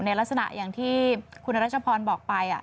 ลักษณะอย่างที่คุณรัชพรบอกไป